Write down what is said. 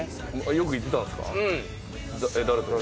よく行ってたんですか？